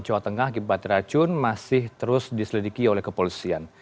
jawa tengah akibat racun masih terus diselidiki oleh kepolisian